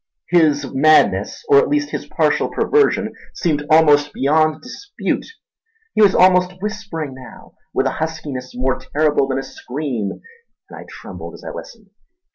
His madness, or at least his partial perversion, seemed beyond dispute. He was almost whispering now, with a huskiness more terrible than a scream, and I trembled as I listened.